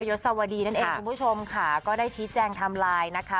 ยศวดีนั่นเองคุณผู้ชมค่ะก็ได้ชี้แจงไทม์ไลน์นะคะ